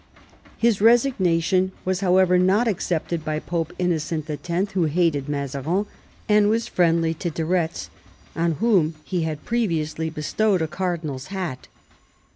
His resignation was, however, not accepted by Pope Innocent X., who hated Mazarin and was friendly to de Retz, on whom he had previously bestowed a cardinal's hat.